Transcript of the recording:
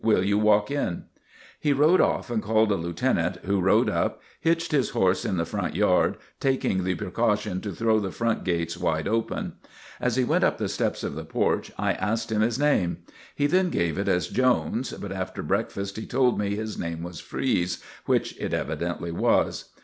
Will you walk in?" He rode off and called a Lieutenant, who rode up, hitched his horse in the front yard, taking the precaution to throw the front gates wide open. As he went up the steps of the porch, I asked him his name. He then gave it as Jones, but after breakfast he told me his name was Freese, which it evidently was.